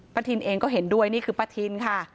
ทินเองก็เห็นด้วยนี่คือป้าทินค่ะ